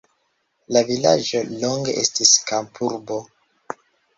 La vilaĝo longe estis kampurbo.